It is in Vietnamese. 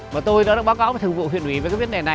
mà tôi đã báo cáo với thường vụ huyện ủy về cái vấn đề này